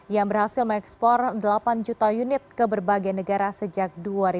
yang berhasil mengekspor delapan juta unit ke berbagai negara sejak dua ribu dua